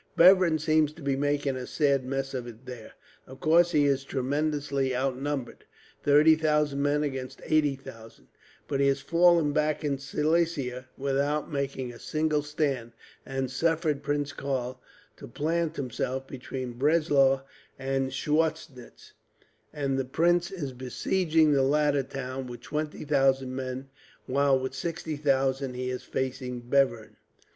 Bevern seems to be making a sad mess of it there. Of course he is tremendously outnumbered, thirty thousand men against eighty thousand; but he has fallen back into Silesia without making a single stand, and suffered Prince Karl to plant himself between Breslau and Schweidnitz; and the Prince is besieging the latter town with twenty thousand men, while with sixty thousand he is facing Bevern."